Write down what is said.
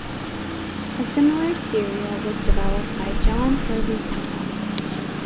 A similar cereal was developed by John Harvey Kellogg.